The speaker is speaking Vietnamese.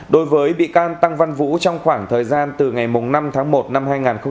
đối với vị can tăng văn vũ trong khoảng thời gian từ ngày năm tháng một năm hai nghìn một mươi năm